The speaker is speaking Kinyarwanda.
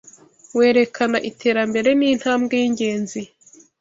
werekana iterambere n’intambwe y’ingenzi